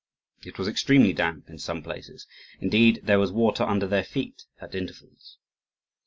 It was extremely damp in some places; indeed there was water under their feet at intervals.